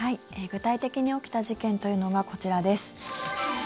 具体的に起きた事件というのがこちらです。